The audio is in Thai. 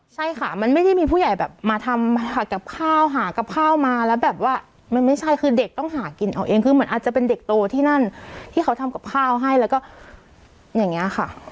ใช่ค่ะมันไม่ได้มีผู้ใหญ่แบบมาทำหากับข้าวหากับข้าวมาแล้วแบบว่ามันไม่ใช่คือเด็กต้องหากินเอาเองคือเหมือนอาจจะเป็นเด็กโตที่นั่นที่เขาทำกับข้าวให้แล้วก็อย่างนี้ค่ะ